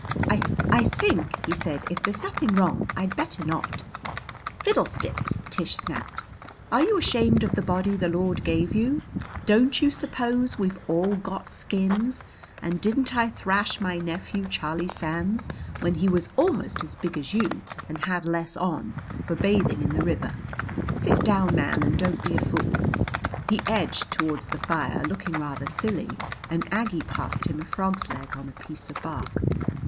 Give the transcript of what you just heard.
"I I think," he said, "if there's nothing wrong I'd better not " "Fiddlesticks!" Tish snapped. "Are you ashamed of the body the Lord gave you? Don't you suppose we've all got skins? And didn't I thrash my nephew, Charlie Sands, when he was almost as big as you and had less on, for bathing in the river? Sit down, man, and don't be a fool." He edged toward the fire, looking rather silly, and Aggie passed him a frog's leg on a piece of bark.